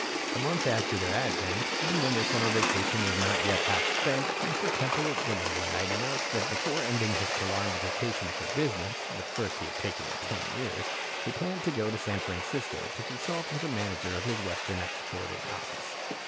A month after their advent, and when their summer vacation was not yet half spent, Mr. Temple at dinner one night announced that before ending his prolonged vacation from business the first he had taken in ten years he planned to go to San Francisco to consult with the manager of his western exporting office.